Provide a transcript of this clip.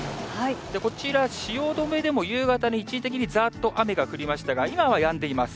こちら、汐留でも夕方に一時的にざーっと雨が降りましたが、今はやんでいます。